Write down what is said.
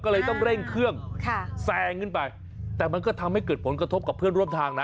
ก็เลยต้องเร่งเครื่องแซงขึ้นไปแต่มันก็ทำให้เกิดผลกระทบกับเพื่อนร่วมทางนะ